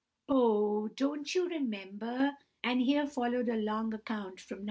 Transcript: "Oh! don't you remember—" and here followed a long account from No.